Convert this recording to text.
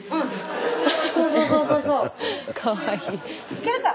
いけるか？